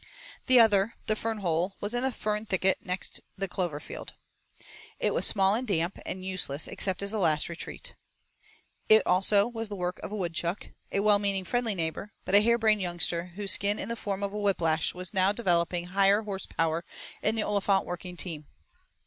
The other, the fern hole, was in a fern thicket next the clover field. It was small and damp, and useless except as a last retreat. It also was the work of a woodchuck, a well meaning friendly neighbor, but a harebrained youngster whose skin in the form of a whiplash was now developing higher horse power in the Olifant working team.